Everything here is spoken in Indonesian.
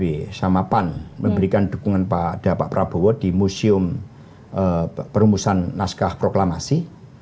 pdip sama pan memberikan dukungan pada pak prabowo di museum perumusan naskah proklamasi